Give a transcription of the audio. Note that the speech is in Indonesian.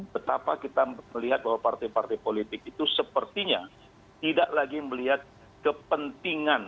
betapa kita melihat bahwa partai partai politik itu sepertinya tidak lagi melihat kepentingan